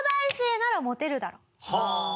はあ！